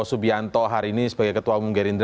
subianto hari ini sebagai ketua umum gerindra